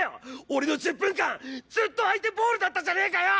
俺の１０分間ずっと相手ボールだったじゃねえかよ！